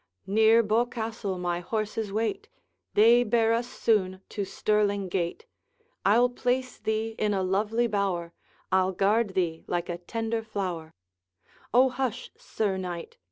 Near Bochastle my horses wait; They bear us soon to Stirling gate. I'll place thee in a lovely bower, I'll guard thee like a tender flower ' 'O hush, Sir Knight!